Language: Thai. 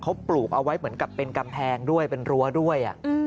เขาปลูกเอาไว้เหมือนกับเป็นกำแพงด้วยเป็นรั้วด้วย